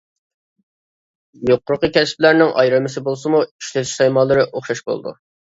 يۇقىرىقى كەسىپلەرنىڭ ئايرىمىسى بولسىمۇ، ئىشلىتىش سايمانلىرى ئوخشاش بولىدۇ.